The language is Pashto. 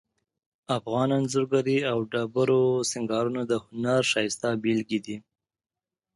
افغان انځورګری او ډبرو سنګارونه د هنر ښایسته بیلګې دي